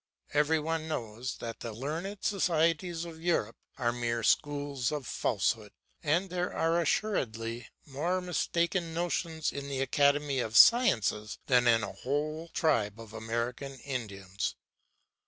Every one knows that the learned societies of Europe are mere schools of falsehood, and there are assuredly more mistaken notions in the Academy of Sciences than in a whole tribe of American Indians.